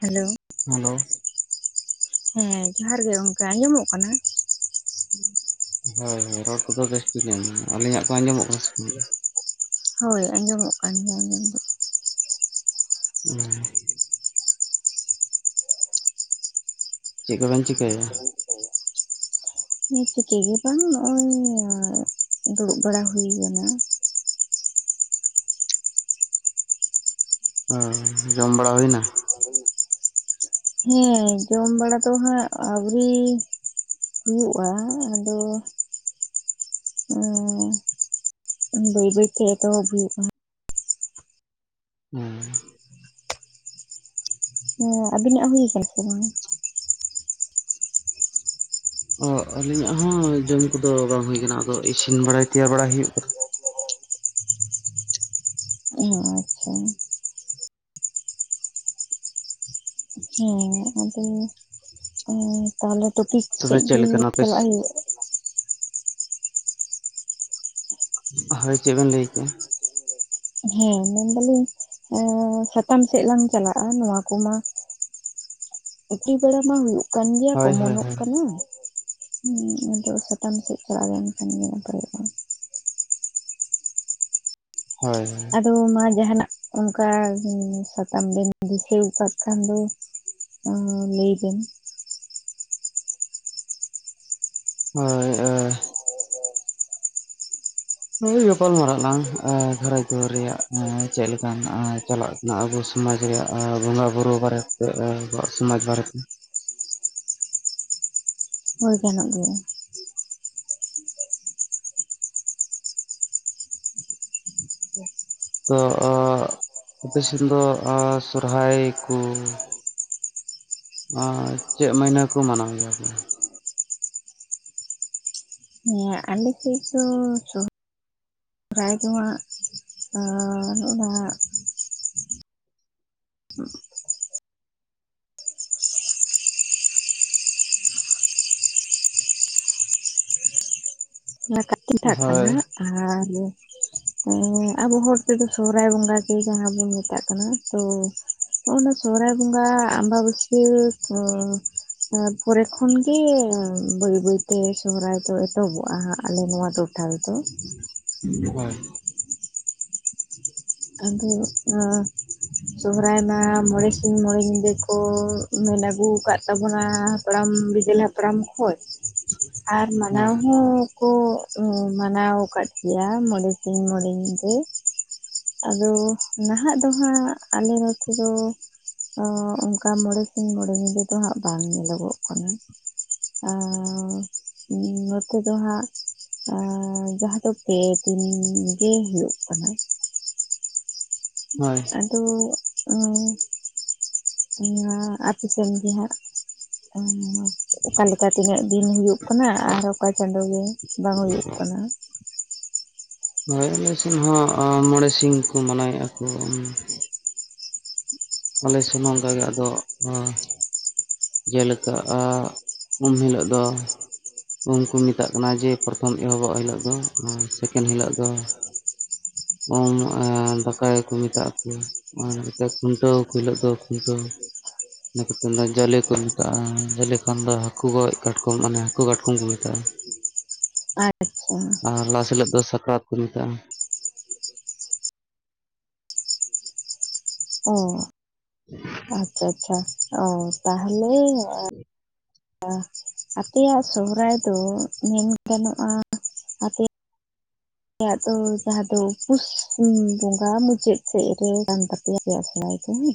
Hello hello ᱦᱮᱸ ᱡᱚᱦᱟᱨ ᱜᱮ ᱜᱚᱝᱠᱮ ᱟᱸᱡᱚᱢᱚᱜ ᱠᱟᱱᱟ? ᱦᱳᱭ ᱦᱳᱭ ᱨᱚᱲ ᱠᱚᱫᱚ ᱵᱮᱥ ᱛᱤᱜᱮ ᱟᱸᱡᱚᱢᱚᱜ ᱟᱹᱞᱤᱧᱟᱜ ᱠᱚ ᱟᱸᱡᱚᱢᱚᱜ ᱠᱟᱱᱟ ᱥᱮ? ᱵᱟᱝ? ᱦᱳᱭ ᱟᱸᱡᱚᱢᱚᱜ ᱠᱟᱱ ᱜᱮᱭᱟ ᱟᱸᱡᱚᱢ ᱫᱚ᱾ ᱦᱩᱸ ᱪᱮᱜ ᱠᱚᱵᱮᱱ ᱪᱤᱠ [unintelligible] [inaudible] ᱪᱤᱠᱟᱹ ᱜᱮ ᱵᱟᱝ ᱱᱚᱜ-ᱚᱭ ᱫᱩᱲᱩᱵ ᱵᱟᱲᱟ ᱦᱩᱭᱠᱟᱱᱟ᱾ ᱚᱸ ᱡᱚᱢ ᱵᱟᱲᱟ ᱦᱩᱭ ᱱᱟ? [unintelligible] ᱦᱮᱸ ᱡᱚᱢ ᱵᱟᱲᱟ ᱫᱚ ᱦᱟᱸᱜ ᱟᱹᱣᱨᱤ ᱦᱩᱭᱩᱜ-ᱟ ᱟᱫᱚ ᱵᱟᱹᱭ ᱵᱟᱹᱭᱛᱮ ᱮᱛᱚᱦᱚᱵ ᱦᱩᱭᱩᱜ ᱠᱟᱱᱟ᱾ ᱚᱸ ᱦᱮᱸ ᱟᱹᱵᱤᱱᱟᱜ ᱦᱩᱭ ᱠᱟᱱᱟ ᱥᱮ ᱵᱟᱝ-ᱟ? ᱚ ᱟᱹᱞᱤᱧᱟᱜ ᱦᱚᱸ ᱡᱚᱢ ᱠᱚᱫᱚ ᱵᱟᱝ ᱦᱩᱭ ᱠᱟᱱᱟ ᱟᱫᱚ ᱤᱥᱤᱱ ᱵᱟᱲᱟᱭ ᱛᱮᱭᱟᱨ ᱵᱟᱲᱟᱭ ᱦᱩᱭᱩᱜ ᱠᱟᱱᱟ᱾ ᱚ ᱟᱪᱪᱷᱟ ᱦᱮᱸ ᱟᱫᱚ ᱛᱟᱦᱞᱮ ᱴᱚᱯᱤᱠ ᱛᱚᱵᱮ ᱥᱮᱫ ᱪᱮᱫ ᱜᱮ ᱞᱮᱠᱟ ᱱᱟᱯᱮᱥ ᱪᱟᱞᱟᱜ ᱦᱩᱭᱩᱜ ᱦᱳᱭ ᱪᱮᱜ ᱵᱤᱱ ᱞᱟᱹᱭ ᱠᱮ-ᱟ? ᱦᱮᱸ ᱢᱮᱱ ᱫᱟᱞᱤᱧ ᱮᱸᱜ ᱥᱟᱛᱟᱢ ᱥᱮᱫ ᱞᱟᱝ ᱪᱟᱞᱟᱜ-ᱟ ᱱᱚᱣᱟ ᱠᱚᱢᱟ ᱩᱴᱤ ᱵᱟᱲᱟ ᱢᱟ ᱦᱩᱭᱩᱜ ᱠᱟᱱ ᱜᱮᱭᱟ ᱦᱳᱭ ᱦᱳᱭ ᱠᱚᱢᱚᱱᱚᱜ ᱦᱳᱭ ᱠᱟᱱᱟ᱾ ᱦᱩᱸ ᱱᱤᱛᱚᱜ ᱥᱟᱛᱟᱢ ᱥᱮᱫ ᱪᱟᱞᱟᱣ ᱞᱮᱱᱠᱷᱟᱱ ᱜᱮ ᱱᱟᱯᱟᱭᱚᱜ-ᱟ᱾ ᱦᱳᱭ᱾ ᱛᱚ ᱱᱚᱣᱟ ᱡᱟᱦᱟᱱᱟᱜ ᱚᱱᱠᱟ ᱥᱟᱛᱟᱢ ᱵᱤᱱ ᱫᱤᱥᱟᱹᱣ ᱟᱠᱟᱫ ᱠᱷᱟᱱ ᱫᱚ ᱚ ᱞᱟᱹᱭ ᱵᱤᱱ᱾ ᱦᱳᱭ ᱟᱨ [unintelligible] ᱦᱳᱭ ᱜᱟᱯᱟᱞ ᱢᱟᱨᱟᱜ ᱟᱞᱟᱝ ᱟᱨ ᱜᱷᱟᱨᱚᱸᱡᱽ ᱠᱚ ᱨᱮᱭᱟᱜ ᱦᱚᱸ ᱪᱮᱫ ᱞᱮᱠᱟ ᱢᱮᱱᱟᱜ-ᱟ ᱪᱟᱞᱟᱜ ᱚᱱᱟ ᱟᱵᱚ ᱥᱚᱢᱟᱡᱽ ᱨᱮᱭᱟᱜ ᱟ ᱵᱚᱸᱜᱟ ᱵᱩᱨᱩ ᱵᱟᱨᱮᱛᱮ ᱟᱵᱚᱣᱟᱜ ᱥᱚᱢᱟᱡᱽ ᱵᱟᱨᱮᱛᱮ᱾ ᱦᱳᱭ ᱜᱟᱱᱚᱜ ᱜᱮᱭᱟ᱾ ᱛᱚ ᱟᱯᱮ ᱥᱮᱱ ᱫᱚ ᱥᱚᱨᱦᱟᱭ ᱠᱩ ᱟ ᱪᱮᱜ ᱢᱟᱦᱤᱱᱟᱹ ᱠᱚ ᱢᱟᱱᱟᱣ ᱜᱮᱭᱟ? ᱦᱮᱸ ᱟᱞᱮᱥᱮᱫ ᱫᱚ ᱥᱚ ᱥᱚᱨᱦᱟᱭ ᱫᱚ ᱦᱟᱸᱜ ᱚ ᱞᱟᱦᱟᱜ [inaudible] ᱦᱳᱭ ᱠᱟᱱᱟ ᱟᱨ ᱮ ᱟᱵᱚ ᱦᱚᱲ ᱛᱮᱫᱚ ᱥᱚᱦᱚᱨᱟᱭ ᱵᱚᱸᱜᱟ ᱜᱮ ᱡᱟᱸᱦᱟ ᱵᱚᱱ ᱢᱮᱛᱟᱜ ᱠᱟᱱᱟ ᱛᱚ, ᱦᱚᱜᱚᱱᱟ ᱥᱚᱦᱚᱨᱟᱭ ᱵᱚᱸᱜᱟ ᱟᱢᱵᱟ ᱵᱟᱹᱥᱭᱟᱹ ᱛᱚ ᱛᱟ ᱯᱚᱨᱮ ᱠᱷᱚᱱᱜᱮ ᱵᱟᱹᱭ ᱵᱟᱹᱭᱛᱮ ᱥᱚᱦᱚᱨᱟᱭ ᱫᱚ ᱮᱛᱚᱦᱚᱵᱚᱜ-ᱟ ᱦᱟᱸᱜ᱾ ᱟᱞᱮ ᱱᱚᱣᱟ ᱴᱚᱴᱷᱟ ᱨᱮᱫᱚ᱾ ᱦᱳᱭ ᱟᱫᱚ [inaudible] ᱥᱚᱦᱚᱨᱟᱭ ᱢᱟ ᱢᱚᱬᱮ ᱥᱤᱧ ᱢᱚᱬᱮ ᱧᱤᱫᱟᱹ ᱠᱚ ᱢᱮᱱ ᱟᱹᱜᱩ ᱣᱟᱠᱟᱜ ᱛᱟᱵᱚᱱᱟ᱾ ᱦᱟᱯᱲᱟᱢ ᱵᱤᱫᱟᱹᱞ ᱦᱟᱯᱲᱟᱢ ᱠᱷᱚᱡ, ᱟᱨ ᱦᱮᱸ ᱢᱟᱱᱟᱣ ᱦᱚᱸ ᱠᱚ ᱢᱟᱱᱟᱣ ᱟᱠᱟᱫ ᱜᱮᱭᱟ ᱢᱚᱬᱮ ᱥᱤᱧ ᱢᱚᱬᱮ ᱧᱤᱫᱟᱹ᱾ ᱟᱫᱚ ᱱᱟᱦᱟᱜ ᱫᱚᱦᱟᱸᱜ ᱟᱞᱮ ᱱᱚᱛᱮ ᱫᱚ ᱚᱻ ᱚᱱᱠᱟ ᱢᱚᱬᱮ ᱥᱤᱧ ᱢᱚᱬᱮ ᱧᱤᱫᱟᱹ ᱫᱚ ᱦᱟᱸᱜ ᱵᱟᱝ ᱧᱮᱞᱚᱜᱚᱜ ᱠᱟᱱᱟ᱾ ᱟᱨ ᱱᱚᱛᱮ ᱫᱚ ᱦᱟᱸᱜ ᱟᱨ ᱡᱟᱦᱟᱸ ᱫᱚ ᱯᱮ ᱫᱤᱱ ᱜᱮ ᱦᱩᱭᱩᱜ ᱠᱟᱱᱟ᱾ ᱦᱳᱭ ᱟᱫᱚ [inaudible] ᱚᱱᱟ ᱟᱯᱮ ᱥᱮᱱ ᱜᱮ ᱦᱟᱸᱜ [inaudible] ᱚᱠᱟᱞᱮᱠᱟ ᱛᱤᱱᱟᱹᱜ ᱫᱤᱱ ᱦᱩᱭᱩᱜ ᱠᱟᱱᱟ ᱟᱨ ᱚᱠᱟ ᱪᱟᱸᱫᱳ ᱜᱮ ᱵᱟᱝ ᱦᱩᱭᱩᱜ ᱠᱟᱱᱟ᱾ ᱦᱳᱭ ᱟᱞᱮ ᱥᱮᱱ ᱦᱚᱸ ᱢᱚᱬᱮ ᱥᱤᱝ ᱠᱚ ᱢᱟᱱᱟᱣᱮᱜ-ᱟ᱾ ᱟᱞᱮ ᱥᱮᱱ ᱦᱚᱸ ᱚᱱᱠᱟᱜᱮ ᱟᱫᱚ ᱦᱟ ᱡᱮᱞᱮᱠᱟ ᱟᱜ, ᱩᱢ ᱦᱤᱞᱟᱹᱜ ᱫᱚ᱾ ᱩᱢ ᱠᱚ ᱢᱮᱛᱟᱜ ᱠᱟᱱᱟ ᱡᱮ ᱯᱨᱚᱛᱷᱚᱢ ᱮᱦᱚᱵᱚᱜ ᱦᱤᱞᱳᱜ ᱫᱚ, ᱥᱮᱠᱮᱱ ᱦᱤᱞᱳᱜ ᱫᱚ ᱩᱢ ᱮᱸ ᱫᱟᱠᱟᱭ ᱠᱚ ᱢᱮᱛᱟᱜ ᱠᱟᱱᱟ᱾ [inaudible] ᱡᱟᱞᱮ ᱠᱚ ᱢᱮᱛᱟᱜ-ᱟ, ᱡᱟᱞᱮ ᱠᱷᱟᱱ ᱫᱚ ᱦᱟᱹᱠᱩ ᱜᱚᱡ ᱠᱟᱴᱠᱚᱢ ᱢᱟᱱᱮ ᱦᱟᱹᱠᱩ ᱠᱟᱴᱠᱚᱢ ᱠᱚ ᱢᱮᱛᱟᱜ-ᱟ᱾ ᱟᱪᱪᱷᱟ᱾ ᱟᱨ ᱞᱟᱥ ᱦᱤᱞᱳᱜ ᱫᱚ ᱥᱟᱠᱨᱟᱛ ᱠᱚ ᱢᱮᱛᱟᱜ-ᱟ᱾ ᱚ᱾ [unintelligible] ᱟᱪᱪᱷᱟ ᱟᱪᱪᱷᱟ ᱚ ᱛᱟᱦᱚᱞᱮ ᱟ ᱟᱯᱮᱭᱟᱜ ᱥᱚᱦᱚᱨᱟᱭ ᱫᱚ ᱢᱮᱱ ᱜᱟᱱᱚᱜ-ᱟ ᱟᱯᱮᱭᱟᱜ [unintelligible] ᱭᱟᱜ ᱫᱚ ᱡᱟᱦᱟᱸ ᱫᱚ ᱯᱩᱥ ᱵᱚᱸᱜᱟ ᱢᱩᱪᱟᱹᱫ ᱥᱮᱡ ᱨᱮ ᱠᱟᱱ ᱛᱟᱯᱮᱭᱟ ᱟᱯᱮᱭᱟᱜ ᱥᱚᱦᱨᱟᱭ ᱫᱚ ᱦᱩᱸ᱾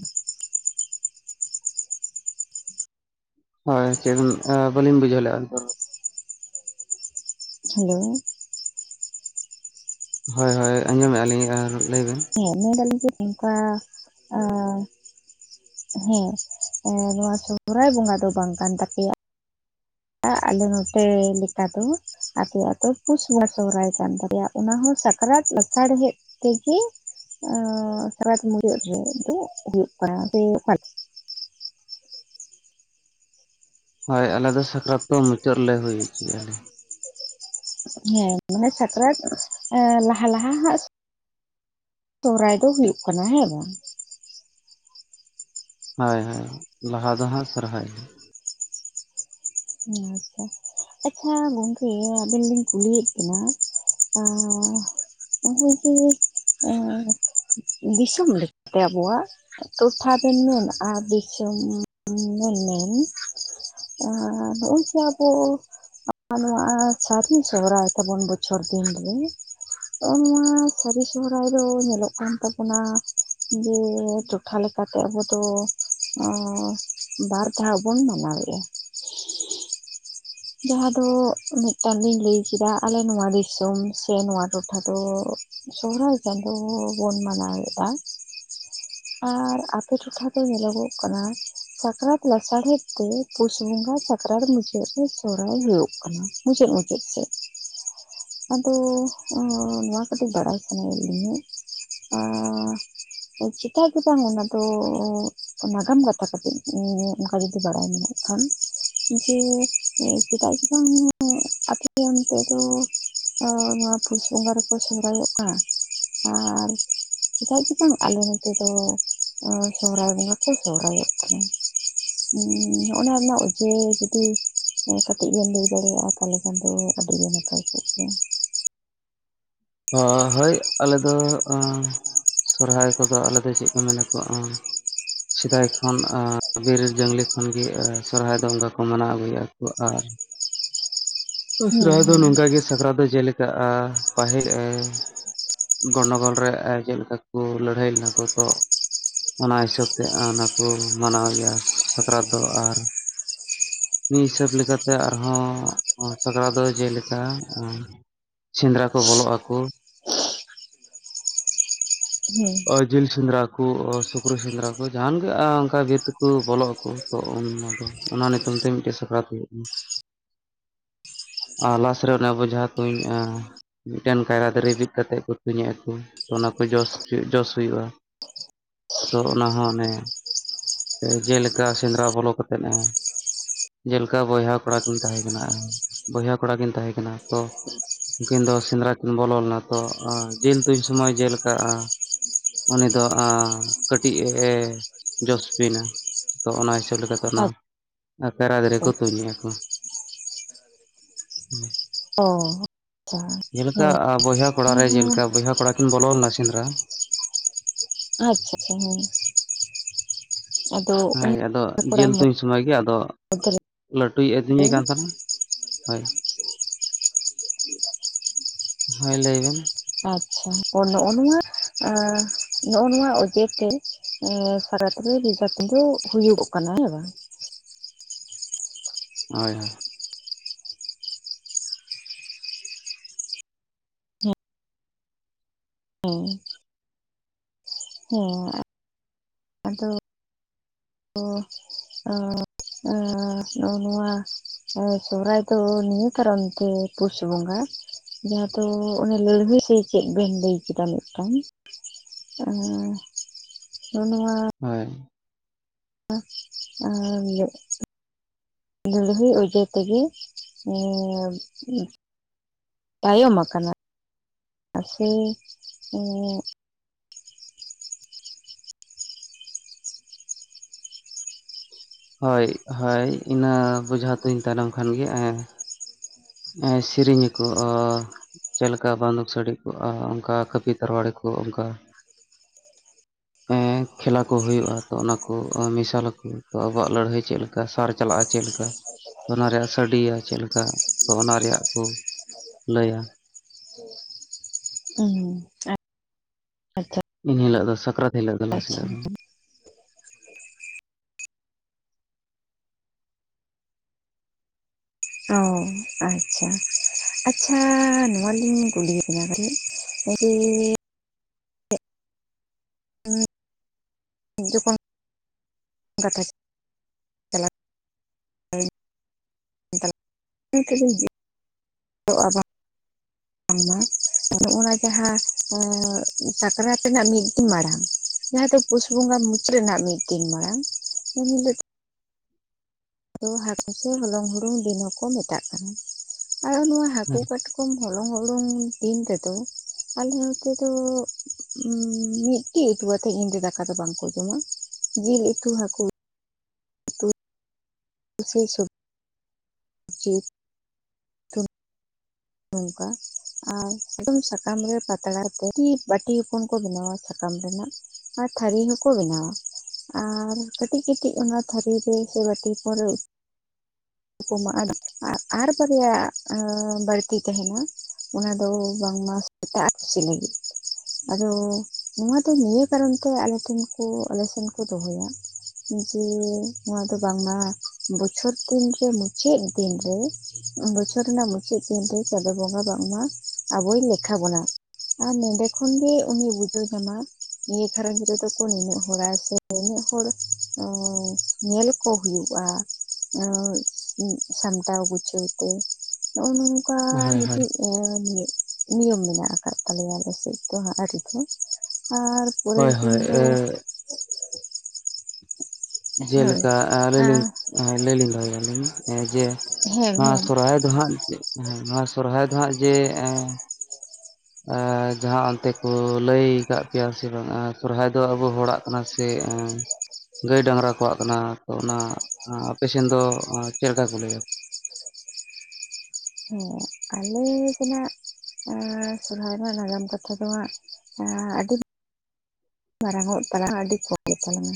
ᱦᱳᱭ ᱪᱮᱫ ᱟᱻ ᱵᱟᱹᱞᱤᱧ ᱵᱩᱡᱷᱟᱹᱣ ᱞᱮᱜᱼᱟ ᱟᱨ ᱢᱤᱫ ᱫᱷᱟ ᱨᱚ ᱦᱮᱞᱳ ᱦᱳᱭ ᱦᱳᱭ ᱟᱸᱡᱚᱢᱮᱜᱼᱟ ᱞᱤᱧ ᱟᱨ ᱞᱟᱹᱭ ᱵᱮᱱ᱾ ᱦᱮᱸ ᱢᱮᱱ ᱫᱟᱞᱤᱧ ᱡᱮ ᱱᱚᱝᱠᱟ ᱟᱻ ᱦᱮᱸ ᱮᱸ ᱱᱚᱣᱟ ᱥᱚᱦᱨᱟᱭ ᱵᱚᱸᱜᱟ ᱫᱚ ᱵᱟᱝ ᱠᱟᱱ ᱛᱟᱯᱮᱭᱟ᱾ ᱟᱞᱮ ᱱᱚᱛᱮ ᱞᱮᱠᱟ ᱫᱚ᱾ ᱟᱯᱮᱭᱟᱜ ᱫᱚ ᱯᱩᱥ ᱵᱚᱸᱜᱟ ᱥᱚᱦᱨᱟᱭ ᱠᱟᱱ ᱛᱟᱯᱮᱭᱟ ᱚᱱᱟᱦᱚᱸ ᱥᱟᱠᱨᱟᱛ ᱞᱟᱥᱟᱲᱦᱮᱫᱼᱼ ᱛᱮᱜᱮ ᱟᱸᱻ ᱥᱟᱠᱨᱟᱛ ᱢᱩᱪᱟᱹᱫ ᱨᱮ ᱫᱚ ᱦᱩᱭᱩᱜ ᱠᱟᱱᱟ ᱥᱮ ᱚᱠᱟ ᱦᱳᱭ ᱟᱞᱮ ᱫᱚ ᱥᱟᱠᱨᱟᱛ ᱫᱚ ᱢᱩᱪᱟᱹᱫ ᱨᱮᱞᱮ ᱦᱩᱭ ᱦᱚᱪᱚᱭ ᱟᱞᱮ᱾ ᱦᱮᱸ ᱢᱟᱱᱮ ᱥᱟᱠᱨᱟᱛ ᱮᱸ ᱞᱟᱦᱟ ᱞᱟᱦᱟ ᱦᱟᱸᱜᱼᱼ ᱛᱚᱦᱨᱟᱭ ᱫᱚ ᱦᱩᱭᱩᱜ ᱠᱟᱱᱟ ᱦᱮᱸ ᱵᱟᱝ? ᱦᱳᱭ ᱦᱳᱭ ᱞᱟᱦᱟ ᱫᱚ ᱦᱟᱸᱜ ᱥᱚᱨᱦᱟᱭ ᱾ ᱩᱸ ᱟᱪᱪᱷᱟ ᱟᱪᱪᱷᱟ ᱜᱚᱝᱠᱮ ᱟᱵᱮᱱ ᱞᱤᱧ ᱠᱩᱞᱤᱭᱮᱜ ᱵᱮᱱᱟ᱾ ᱟᱻ ᱳᱦᱳᱭ ᱠᱮ ᱚᱸᱻ ᱫᱤᱥᱚᱢ ᱞᱮᱠᱛᱮ ᱟᱵᱚᱣᱟᱜᱼᱼ ᱴᱚᱴᱷᱟ ᱵᱮᱱ ᱢᱮᱱ ᱟᱨ ᱫᱤᱥᱚᱢ ᱢᱮᱱ ᱢᱮᱱ᱾ ᱟᱨᱻ ᱱᱚᱜᱼᱚᱭ ᱡᱮ ᱟᱵᱚ ᱟᱨ ᱱᱚᱣᱟᱻ ᱥᱟᱹᱨᱤ ᱥᱚᱦᱨᱟᱭ ᱛᱟᱵᱚᱱ ᱵᱚᱪᱷᱚᱨ ᱫᱤᱱᱨᱮ᱾ ᱦᱚᱸᱜᱼᱚ ᱱᱚᱣᱟ ᱥᱟᱹᱨᱤ ᱥᱚᱦᱨᱟᱭ ᱫᱚ ᱧᱮᱞᱚᱜ ᱠᱟᱱ ᱛᱟᱵᱳᱱᱟ ᱡᱮ ᱴᱚᱴᱷᱟ ᱞᱮᱠᱟᱛᱮ ᱟᱵᱚ ᱫᱚᱼᱼ ᱚᱻ ᱵᱟᱨ ᱫᱷᱟᱣ ᱵᱚᱱ ᱢᱟᱱᱟᱣᱮᱜᱼᱟ᱾ ᱡᱟᱦᱟᱸ ᱫᱚ ᱢᱤᱫᱴᱟᱝ ᱱᱤᱧ ᱞᱟᱹᱭ ᱠᱮᱫᱟ ᱟᱞᱮ ᱱᱚᱣᱟ ᱫᱤᱥᱚᱢ ᱥᱮ ᱱᱚᱣᱟ ᱴᱚᱴᱷᱟ ᱫᱚᱻᱼᱼ ᱥᱚᱦᱨᱟᱭ ᱪᱟᱸᱫᱳ ᱵᱚᱱ ᱢᱟᱱᱟᱣᱮᱜᱼᱟ᱾ ᱟᱨ ᱟᱯᱮ ᱴᱚᱴᱷᱟ ᱫᱚ ᱧᱮᱞᱚᱜᱚᱜ ᱠᱟᱱᱟ ᱥᱟᱠᱨᱟᱛ ᱞᱟᱥᱟᱲᱦᱮᱫ ᱛᱮ᱾ ᱯᱩᱥ ᱵᱚᱸᱜᱟ ᱥᱟᱠᱨᱟᱛ ᱢᱩᱪᱟᱹᱫ ᱨᱮ ᱥᱚᱦᱨᱟᱭ ᱦᱩᱭᱩᱜ ᱠᱟᱱᱟ ᱢᱩᱪᱟᱹᱫ ᱢᱩᱪᱟᱹᱫ ᱥᱮᱡ᱾ ᱟᱫᱚ ᱚᱻ ᱱᱚᱣᱟ ᱠᱟᱹᱴᱤᱡ ᱵᱟᱲᱟᱭ ᱥᱟᱱᱟᱭᱮᱜ ᱞᱤᱧᱟᱹᱼᱼ ᱟᱸᱻ ᱟ ᱪᱮᱫᱼᱼ ᱡᱟ ᱠᱮᱛᱟ ᱟᱸᱜᱚᱱ ᱚᱱᱟ ᱫᱚᱻ ᱱᱟᱜᱟᱢ ᱠᱟᱛᱷᱟ ᱠᱟᱛᱮ ᱚᱱᱠᱟ ᱡᱩᱫᱤ ᱵᱟᱲᱟᱭ ᱢᱮᱱᱟᱜ ᱠᱷᱟᱱ ᱡᱮ ᱪᱮᱫᱟᱜ ᱥᱮ ᱵᱟᱝ ᱟᱯᱮ ᱚᱱᱛᱮ ᱫᱚᱼᱼ ᱚ ᱱᱚᱣᱟ ᱯᱩᱥ ᱵᱚᱸᱜᱟ ᱨᱮᱠᱚ ᱥᱚᱦᱨᱟᱭᱚᱜᱼᱟ ᱟᱨᱻᱼᱼ ᱪᱮᱫᱟᱜ ᱥᱮ ᱵᱟᱝ ᱟᱞᱮ ᱱᱚᱛᱮ ᱫᱚ ᱚ ᱥᱚᱦᱨᱟᱭ ᱵᱚᱸᱜᱟ ᱠᱚ ᱥᱚᱦᱨᱟᱭᱚᱜ ᱠᱟᱱᱟ᱾ ᱩᱸ ᱚᱱᱟ ᱨᱮᱱᱟᱜ ᱚᱡᱮ ᱡᱩᱫᱤ ᱠᱟᱹᱴᱤᱡ ᱵᱮᱱ ᱞᱟᱹᱭ ᱫᱟᱲᱮᱭᱟᱜᱼᱟ ᱛᱟᱦᱞᱮ ᱠᱷᱟᱱ ᱫᱚ ᱟᱹᱰᱤᱜᱮ ᱱᱟᱯᱟᱭ ᱠᱚᱜ ᱠᱮᱭᱟ᱾ ᱚᱻ ᱦᱚᱭ ᱟᱞᱮ ᱫᱚ ᱚᱸᱻ ᱥᱚᱦᱟᱨᱭ ᱠᱚᱫᱚ ᱟᱞᱮ ᱫᱚ ᱪᱮᱜ ᱠᱚ ᱢᱮᱱᱟᱠᱚ ᱚᱸ ᱥᱮᱫᱟᱭ ᱠᱷᱚᱱ ᱚᱸ ᱵᱤᱨ ᱡᱟᱝᱞᱤ ᱠᱷᱚᱱᱜᱮ ᱥᱚᱨᱦᱟᱭ ᱫᱚ ᱚᱱᱠᱟ ᱠᱚ ᱢᱟᱱᱟᱣ ᱟᱹᱜᱩᱭᱮᱜᱼᱟ ᱠᱚ ᱟᱨ ᱦᱩᱸ ᱥᱚᱦᱨᱟᱭ ᱫᱚ ᱦᱩᱸ ᱱᱚᱝᱠᱟ ᱜᱮ ᱥᱟᱠᱨᱟᱛ ᱡᱮᱞᱮᱠᱟᱜᱼᱟ ᱛᱟᱦᱮᱸᱜ ᱮᱭ ᱜᱚᱱᱚᱜᱚᱞ ᱨᱮ ᱪᱮᱫ ᱞᱮᱠᱟ ᱠᱩ ᱞᱟᱹᱲᱦᱟᱹᱭ ᱞᱮᱱᱟ ᱠᱚ ᱛᱚ ᱚᱱᱟ ᱦᱤᱥᱟᱹᱵ ᱛᱮ ᱚᱱᱟ ᱠᱚ ᱢᱟᱱᱟᱣᱮᱭᱟ ᱥᱟᱠᱨᱟᱛ ᱫᱚ ᱟᱨ ᱢᱤᱫ ᱦᱤᱥᱟᱹᱵᱽ ᱞᱮᱠᱟᱛᱮ ᱟᱨᱦᱚᱸ ᱥᱟᱠᱨᱟᱛ ᱫᱚ ᱡᱮᱞᱮᱠᱟ ᱮᱸ ᱥᱮᱸᱫᱽᱨᱟ ᱠᱚ ᱵᱚᱞᱚᱜ ᱟᱠᱚ᱾ [unintelligible] ᱦᱩᱸ ᱚ ᱡᱤᱞ ᱥᱮᱸᱫᱽᱨᱟ ᱠᱩ ᱥᱩᱠᱨᱤ ᱥᱮᱸᱫᱽᱨᱟ ᱠᱚ ᱡᱟᱦᱟᱱ ᱜᱮ ᱟᱸ ᱚᱱᱠᱟ ᱵᱤᱨ ᱛᱮᱠᱚ ᱵᱚᱞᱚᱜ ᱟᱠᱚ ᱛᱚ ᱩᱱ ᱫᱚ ᱚᱱᱟ ᱧᱩᱛᱩᱢ ᱛᱮ ᱢᱤᱫᱴᱮᱱ ᱥᱟᱠᱨᱟᱛ ᱦᱩᱭᱩᱜ ᱠᱟᱱᱟ᱾ ᱟᱨ ᱞᱟᱥ ᱨᱮ ᱚᱱᱟ ᱵᱡᱷᱟ ᱛᱩᱧ ᱟ ᱢᱤᱫᱴᱮᱱ ᱠᱟᱭᱨᱟ ᱫᱟᱨᱮ ᱵᱤᱫ ᱠᱟᱛᱮᱜ ᱠᱚ ᱛᱩᱧᱮᱫ ᱟᱠ ᱠᱚ ᱚᱱᱟ ᱠᱚ ᱡᱚᱥ ᱡᱚᱥ ᱦᱩᱭᱩᱜ-ᱟ᱾ ᱛᱚ ᱚᱱᱟ ᱦᱚᱸ ᱚᱱᱮ, ᱡᱮᱞᱮᱠᱟ ᱥᱮᱸᱫᱽᱨᱟ ᱵᱚᱞᱚ ᱠᱟᱛᱮᱫ ᱦᱚᱺ ᱡᱮᱞᱮᱠᱟ ᱵᱚᱭᱦᱟ ᱠᱚᱲᱟ ᱠᱤᱱ ᱛᱟᱦᱮᱸ ᱠᱟᱱᱟ, ᱵᱚᱭᱦᱟ ᱠᱚᱲᱟ ᱠᱤᱱ ᱛᱟᱦᱮᱸ ᱠᱟᱱᱟ ᱛᱚ᱾ ᱩᱱᱠᱤᱱ ᱫᱚ ᱥᱮᱸᱫᱽᱨᱟ ᱠᱤᱱ ᱵᱚᱞᱚ ᱞᱮᱱᱟ ᱛᱚ, ᱡᱤᱞ ᱛᱩᱱ ᱥᱚᱢᱚᱭ ᱡᱮ ᱞᱮᱠᱟ ᱟ ᱩᱱᱤ ᱫᱚ ᱟ ᱠᱟᱹᱴᱤᱡ ᱮ ᱡᱚᱥ ᱵᱤᱱᱟ᱾ ᱛᱚ ᱚᱱᱟ ᱦᱤᱥᱟᱹᱵᱽ ᱞᱮᱠᱟᱛᱮ ᱚᱱᱟ᱾ ᱠᱨᱟᱫᱽ ᱨᱮ ᱟᱪᱪᱷᱟ ᱠᱚ ᱛᱩᱧᱮᱜ-ᱟ ᱠᱚ᱾ ᱚ᱾ ᱟᱪᱪᱷᱟ ᱡᱮᱞᱮᱠᱟ ᱦᱮᱸ ᱟ ᱵᱚᱭᱦᱟ ᱠᱚᱲᱟ ᱨᱮ ᱦᱮᱸ ᱡᱮᱞᱮᱠᱟ ᱵᱚᱭᱦᱟ ᱠᱚᱲᱟ ᱠᱤᱱ ᱵᱚᱞᱚ ᱞᱮᱱᱟ ᱥᱮᱸᱫᱽᱨᱟ᱾ ᱟᱪᱪᱷᱟ ᱟᱪᱪᱷᱟ ᱦᱮᱸ᱾ ᱟᱫᱚ ᱦᱳᱭ ᱟᱫᱚ ᱡᱤᱞ ᱦᱟᱯᱲᱟᱢ ᱛᱩᱧ ᱥᱚᱢᱚᱭ ᱜᱮ ᱟᱫᱚ᱾ ᱢᱩᱫᱽᱨᱮ ᱞᱟᱹᱴᱩᱭ ᱟᱹᱛᱤᱧᱮ ᱠᱟᱱ ᱛᱟᱦᱮᱸᱱᱟ, ᱦᱳᱭ᱾ [inaudible] ᱦᱳᱭ ᱞᱟᱹᱭ ᱵᱤᱱ᱾ ᱟᱪᱪᱷᱟ ᱱᱚᱜ-ᱚ ᱱᱚᱣᱟ, ᱱᱚᱜ ᱱᱚᱣᱟ ᱚᱡᱮᱛᱮ᱾ [unintelligible] ᱫᱚ ᱦᱩᱭᱩᱜᱚᱜ ᱠᱟᱱᱟ ᱦᱮᱸ ᱵᱟᱝ᱾ ᱦᱳᱭ ᱦᱳᱭ᱾ ᱦᱮᱸ᱾ ᱦᱮᱸ ᱟᱫᱚ᱾ ᱛᱚ-ᱚ-ᱚ-ᱱᱚᱜ-ᱚ ᱱᱚᱣᱟ᱾ ᱦᱮᱸ ᱥᱚᱦᱨᱟᱭ ᱫᱚ ᱱᱤᱭᱟᱹ ᱠᱟᱨᱚᱱᱛᱮ ᱯᱩᱥ ᱵᱚᱸᱜᱟ᱾ ᱡᱟᱦᱟᱸ ᱫᱚ ᱚᱱᱮ ᱞᱟᱹᱲᱦᱟᱹᱭ ᱥᱮ ᱪᱮᱫ ᱵᱤᱱ ᱞᱟᱹᱭ ᱠᱮᱫᱟ ᱢᱤᱫᱴᱟᱝ᱾ ᱚ ᱱᱚᱜ-ᱚ ᱱᱚᱣᱟ᱾ ᱦᱳᱭ᱾ [unintelligible] ᱟᱨᱻ᱾ ᱞᱟᱹᱲᱦᱟᱹᱭ ᱚᱡᱮ ᱛᱮᱜᱮ᱾ ᱛᱟᱭᱚᱢ ᱟᱠᱟᱱᱟ, ᱥᱮ‌ ᱦᱮᱸ ᱦᱳᱭ ᱦᱳᱭ ᱤᱱᱟᱹ ᱵᱩᱡᱷᱟ ᱛᱩᱧ ᱛᱟᱭᱱᱚᱢ ᱠᱷᱟᱱ ᱜᱮ ᱮ ᱮᱸ ᱥᱤᱨᱤᱧᱟ ᱠᱚ ᱚᱻ᱾ ᱪᱮᱫ ᱞᱮᱠᱟ ᱵᱟᱱᱫᱩᱠ ᱥᱟᱰᱮ ᱠᱚᱜ-ᱟ, ᱚᱱᱠᱟ ᱠᱟᱹᱯᱤ ᱛᱟᱨᱣᱟᱲᱤ ᱠᱚ ᱚᱱᱠᱟ᱾ ᱮᱸᱻ ᱠᱷᱮᱞᱟ ᱠᱚ ᱦᱩᱭᱩᱜ-ᱟ ᱛᱚ, ᱚᱱᱟᱠᱚ ᱢᱮᱥᱟᱞ ᱟᱠᱚ ᱟᱵᱩᱣᱟᱜ ᱞᱟᱹᱲᱦᱟᱹᱭ ᱪᱮᱫ ᱠᱮ ᱚᱱᱠᱟ ᱥᱟᱨ ᱪᱟᱞᱟᱜ-ᱟ ᱪᱮᱫ ᱞᱮᱠᱟ, ᱚᱱᱟ ᱨᱮᱭᱟᱜ ᱥᱟᱰᱮᱤᱭᱟ ᱪᱮᱫ ᱞᱮᱠᱟ? ᱛᱚ ᱚᱱᱟ ᱨᱮᱭᱟᱜ ᱠᱚ ᱞᱟᱹᱭᱟ᱾ ᱦᱩᱸ᱾ ᱤᱱ ᱦᱤᱞᱳᱜ ᱫᱚ ᱥᱟᱠᱨᱟᱛ ᱦᱤᱞᱳᱜ ᱫᱚ ᱞᱟᱥ ᱟᱪᱪᱷᱟ ᱦᱤᱞᱳᱜ ᱫᱚ᱾ ᱚ ᱟᱪᱪᱷᱟ᱾ ᱟᱪᱪᱷᱟ ᱱᱚᱣᱟᱞᱤᱧ ᱠᱩᱞᱤᱭᱮᱫ ᱢᱤᱭᱟ ᱠᱟᱹᱴᱤᱡ [unintelligible] [inaudible] ᱡᱚᱠᱷᱚᱱ᱾ ᱜᱟᱰᱟ᱾ [unintelligible] [unintelligible] ᱵᱟᱝᱢᱟ, ᱱᱚᱜ-ᱱᱟ ᱡᱟᱦᱟᱸ ᱥᱟᱠᱨᱟᱛ ᱨᱮᱱᱟᱜ ᱢᱤᱫ ᱫᱤᱱ ᱢᱟᱲᱟᱝ᱾ ᱡᱟᱦᱟᱸ ᱫᱚ ᱯᱩᱥ ᱵᱚᱸᱜᱟ ᱢᱩᱪᱟᱹᱫ ᱨᱮᱱᱟᱜ ᱢᱤᱫ ᱫᱤᱱ ᱢᱟᱲᱟᱝ, ᱩᱱ ᱦᱤᱞᱳᱜ ᱫᱚ ᱦᱟᱹᱠᱩ ᱠᱚ ᱦᱚᱞᱚᱝ ᱦᱩᱲᱩᱝ ᱫᱤᱱ ᱦᱚᱸ ᱠᱚ ᱢᱮᱛᱟᱜ ᱠᱟᱱᱟ ᱟᱨ ᱱᱚᱶᱟ ᱦᱟᱹᱠᱩ ᱠᱟᱴ ᱠᱚᱢ ᱦᱚᱞᱚᱝ ᱦᱩᱲᱩᱝ ᱫᱤᱱ ᱨᱮᱫᱚ, ᱟᱞᱮ ᱱᱚᱛᱮ ᱫᱚ ᱢᱤᱫᱴᱤᱡ ᱩᱛᱩ ᱟᱛᱮ ᱤᱱᱨᱮ ᱫᱟᱠᱟ ᱫᱚ ᱵᱟᱝᱠᱚ ᱡᱚᱢᱟ᱾ ᱡᱤᱞ ᱩᱛᱩ ᱦᱟᱹᱠᱩ ᱩᱥᱩᱭ ᱥᱚᱵᱽ ᱪᱟᱹᱛ ᱱᱚᱝᱠᱟ ᱟᱨ [unintelligible] ᱫᱚᱢ ᱱᱚᱝᱠᱟ ᱟᱨ ᱥᱟᱠᱟᱢ ᱨᱮ ᱯᱟᱛᱲᱟ ᱛᱮ [inaudible] ᱵᱟᱹᱴᱤ ᱦᱚᱯᱚᱱ ᱠᱚ ᱵᱮᱱᱟᱣᱟ ᱥᱟᱠᱟᱢ ᱨᱮᱱᱟᱜ᱾ ᱟᱨ ᱛᱷᱟᱨᱤ ᱦᱚᱸᱠᱚ ᱵᱮᱱᱟᱣᱟ᱾ ᱟᱨ ᱠᱟᱹᱴᱤᱡ ᱠᱟᱹᱴᱤᱡ ᱚᱱᱟ ᱛᱷᱟᱹᱨᱤ ᱨᱮ ᱥᱮ ᱵᱟᱹᱴᱤ ᱦᱚᱯᱚᱱ ᱨᱮ ᱠᱩᱢᱟᱜ-ᱟ ᱟ ᱟᱨ ᱵᱟᱨᱭᱟ ᱟ ᱵᱟᱹᱲ ᱛᱤ ᱛᱟᱦᱮᱱᱟ ᱚᱱᱟ ᱫᱚ ᱵᱟᱝᱢᱟ ᱥᱮᱛᱟ ᱟᱨ ᱯᱩᱥᱤ ᱞᱟᱹᱜᱤᱫ᱾ ᱟᱫᱚ ᱱᱚᱣᱟ ᱫᱚ ᱱᱤᱭᱟᱹ ᱠᱟᱨᱚᱱᱛᱮ ᱟᱞᱮ ᱴᱷᱮᱱ ᱠᱚ ᱟᱞᱮ ᱥᱮᱱ ᱠᱚ ᱫᱚᱦᱚᱭᱟ, ᱡᱮ ᱱᱚᱣᱟ ᱫᱚ ᱵᱟᱝᱢᱟ ᱵᱚᱪᱷᱚᱨ ᱫᱤᱱᱨᱮ ᱢᱩᱪᱟᱹᱫ ᱫᱤᱱᱨᱮ, ᱵᱚᱪᱷᱚᱨ ᱨᱮᱱᱟᱜ ᱢᱩᱪᱟᱹᱫ ᱫᱤᱱᱨᱮ ᱪᱟᱸᱫᱳ ᱵᱚᱸᱜᱟ ᱵᱟᱝᱢᱟ ᱟᱵᱚᱭ ᱞᱮᱠᱷᱟ ᱵᱚᱱᱟ᱾ ᱟᱨ ᱱᱚᱸᱰᱮ ᱠᱷᱚᱱᱜᱮ ᱩᱱᱤᱭ ᱵᱩᱡᱷᱟᱹᱣ ᱧᱟᱢᱟ, ᱱᱤᱭᱟᱹ ᱜᱷᱟᱨᱚᱸᱡᱽ ᱨᱮᱫᱚ ᱠᱚ ᱱᱤᱱᱟᱹᱜ ᱦᱚᱲᱟ ᱥᱮ ᱱᱤᱱᱟᱹᱜ ᱦᱚᱲ ᱩᱸ ᱧᱮᱞ ᱠᱚ ᱦᱩᱭᱩᱜᱼᱟ᱾ ᱟᱹ ᱥᱟᱢᱴᱟᱣ ᱜᱩᱪᱷᱟᱹᱣᱛᱮ ᱱᱚᱜᱼᱚ ᱱᱚᱝᱠᱟ ᱦᱳᱭ ᱦᱳᱭ ᱢᱤᱫᱴᱮᱡ, ᱤᱭᱟᱹ ᱢᱤᱫ ᱱᱤᱭᱚᱢ ᱢᱮᱱᱟᱜ ᱟᱠᱟᱫ ᱛᱟᱞᱮᱭᱟ ᱟᱞᱮᱥᱮᱫ ᱫᱚ ᱦᱟᱸᱜ ᱟᱹᱨᱤ ᱠᱚ ᱟᱨ ᱯᱚᱨᱮᱨ ᱦᱳᱭ ᱫᱤᱱ ᱦᱳᱭ ᱫᱚ, ᱦᱳᱭ ᱡᱮᱞᱮᱠᱟ ᱮ ᱟᱹᱞᱤᱧ ᱦᱮᱸ ᱞᱤᱧ ᱟᱹᱞᱤᱧ ᱞᱤᱧ ᱫᱚᱦᱚᱭᱟᱹᱞᱤᱧ ᱮᱸ ᱡᱮ ᱦᱮᱸ ᱱᱚᱣᱟ ᱥᱚᱨᱦᱟᱭ ᱫᱚ ᱦᱟᱸᱜ ᱱᱚᱣᱟ ᱥᱚᱨᱦᱟᱭ ᱫᱚ ᱦᱟᱸᱜ ᱡᱮ ᱡᱟᱦᱟᱸ ᱚᱱᱛᱮ ᱠᱚ ᱞᱟᱹᱭ ᱠᱟᱜ ᱯᱮᱭᱟ ᱥᱮ ᱵᱟᱝ ᱮᱸ ᱥᱚᱨᱦᱟᱭ ᱟᱵᱚ ᱦᱚᱲᱟᱜ ᱠᱟᱱᱟ ᱥᱮ ᱮᱸ ᱜᱟᱹᱭ ᱰᱟᱝᱨᱟ ᱠᱚᱣᱟᱜ ᱠᱟᱱᱟ ᱛᱚ ᱚᱱᱟ ᱟᱯᱮᱥᱮᱱ ᱫᱚ ᱚᱸ ᱪᱮᱫ ᱞᱮᱠᱟ ᱠᱚ ᱞᱟᱹᱭᱟ? ᱦᱮᱸ ᱟᱞᱮ ᱥᱮᱱᱟᱜ, ᱟᱸ ᱥᱚᱨᱦᱟᱭ ᱨᱮᱱᱟᱜ ᱱᱟᱜᱟᱢ ᱠᱟᱛᱷᱟ ᱫᱚ ᱦᱟᱸᱜ ᱟᱸ ᱟᱹᱰᱤ ᱢᱟᱨᱟᱝᱚᱜ ᱛᱟᱞᱟᱝᱟ ᱟᱹᱰᱤ ᱠᱚᱢ ᱜᱮ ᱛᱟᱞᱟᱝᱟ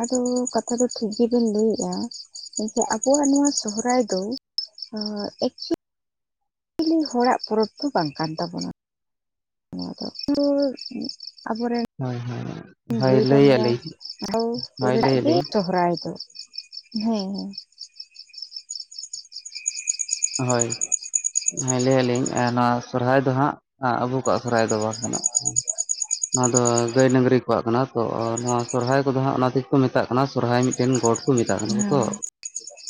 ᱟᱫᱚ ᱠᱟᱛᱷᱟ ᱫᱚ ᱴᱷᱤᱠ ᱜᱤᱵᱤᱱ ᱞᱟᱹᱭᱮᱜᱼᱟ᱾ ᱮᱭᱥᱮ ᱟᱵᱩᱣᱟᱜ ᱱᱚᱣᱟ ᱥᱚᱦᱨᱟᱭ ᱫᱚ ᱟ ᱮᱠ ᱞᱤ ᱦᱚᱲᱟᱜ ᱯᱚᱨᱚᱵᱽ ᱫᱚ ᱵᱟᱝ ᱠᱟᱱ ᱛᱟᱵᱚᱱᱟ᱾ [inaudible] [inaudible] ᱟᱵᱚᱨᱮᱱ, ᱦᱳᱭ ᱦᱳᱭ ᱦᱳᱭ ᱜᱟᱹᱭ ᱰᱟᱝᱨᱟ ᱞᱟᱹᱭᱟᱞᱤᱧ [unintelligible] ᱦᱳᱭ ᱨᱮᱱᱟᱜ ᱜᱮ ᱞᱟᱹᱭᱟᱞᱤᱧ ᱥᱚᱦᱨᱟᱭ ᱫᱚ᱾ ᱦᱮᱸ ᱦᱮᱸ᱾ ᱦᱳᱭ᱾ ᱦᱮᱸ ᱞᱟᱹᱭᱟᱞᱤᱧ ᱱᱚᱣᱟ ᱥᱚᱨᱦᱟᱭ ᱫᱚ ᱦᱟᱸᱜ ᱟᱵᱚ ᱠᱚᱣᱟᱜ ᱥᱚᱨᱦᱟᱭ ᱫᱚ ᱵᱟᱝ ᱠᱟᱱᱟ᱾ ᱱᱚᱣᱟ ᱫᱚ ᱜᱟᱹᱭ ᱰᱟᱹᱝᱨᱤ ᱠᱚᱣᱟᱜ ᱠᱟᱱᱟ ᱛᱚ ᱱᱚᱣᱟ ᱥᱚᱨᱦᱟᱭ ᱠᱚᱫᱚ ᱦᱟᱸᱜ ᱚᱱᱟ ᱛᱮᱜᱮ ᱠᱚ ᱢᱮᱛᱟᱜ ᱠᱟᱱᱟ ᱥᱚᱨᱦᱟᱭ ᱢᱤᱫᱴᱮᱱ ᱜᱚᱴ ᱠᱚ ᱢᱮᱛᱟᱜ ᱠᱟᱱᱟ ᱠᱚ ᱛᱚ᱾ ᱦᱮᱸ